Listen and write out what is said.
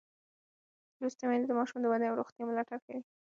لوستې میندې د ماشوم د ودې او روغتیا ملاتړ کوي.